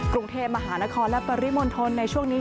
กรุงเทพมหานครและปริมณฑลในช่วงนี้